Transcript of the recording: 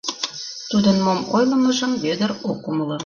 Тудын мом ойлымыжым Вӧдыр ок умыло.